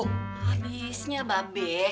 habisnya mbak be